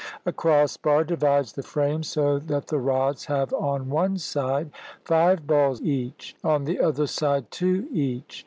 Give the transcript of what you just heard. A cross bar divides the frame, so that the rods have on one side five balls each, on the other side two each.